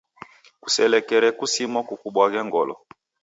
Kuselekere kusimwa kukubwaghe ngolo.